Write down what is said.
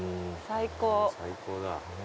最高だ。